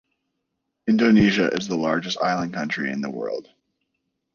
Indonesia is the largest island country in the world.